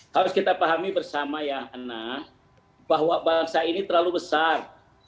harus kita pahami bersama ya nana bahwa bangsa ini terlalu besar